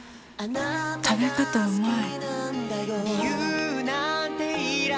食べ方うまい！